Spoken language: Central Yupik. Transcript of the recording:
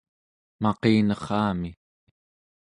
maqinerrami